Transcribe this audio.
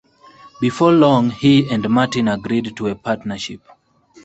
Before long he and Martin agreed to a partnership.